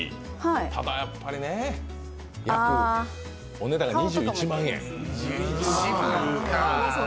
ただ、やっぱりね、お値段が２１万円。